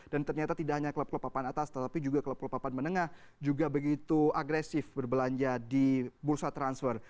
dan ternyata tidak hanya klub klub apaan atas tetapi juga klub klub apaan menengah juga begitu agresif berbelanja di bursa transfer